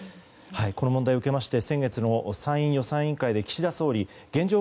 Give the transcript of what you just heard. この問題を受けまして先月の参院予算委員会で岸田総理、現状